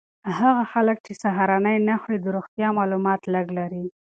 هغه خلک چې سهارنۍ نه خوري د روغتیا مالومات لږ لري.